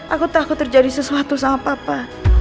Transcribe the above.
aku takut terjadi sesuatu sama papa